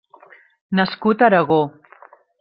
Nascut a Aragó.